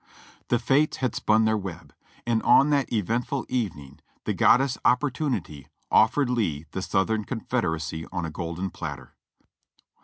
The Fates had spun their web, and on that eventful evening the Goddess Opportunity offered Lee the Southern Confederacy on a golden platter.